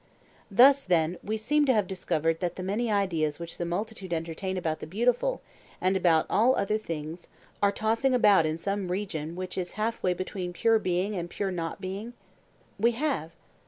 Thus then we seem to have discovered that the many ideas which the multitude entertain about the beautiful and about all other things are tossing about in some region which is half way between pure being and pure not being? We have.